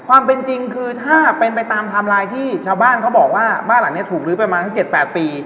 ความเป็นจริงคือถ้าเป็นไปตามไทม์ไลน์ที่ชาวบ้านเขาบอกว่าบ้านหลังนี้ถูกลื้อประมาณสัก๗๘ปี